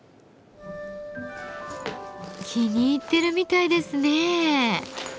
気に入っているみたいですね。